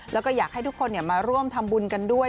แล้วก็อยากให้ทุกคนมาร่วมทำบุญกันด้วย